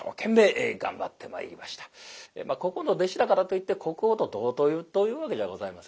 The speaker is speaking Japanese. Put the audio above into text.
国宝の弟子だからといって国宝と同等というわけじゃございません。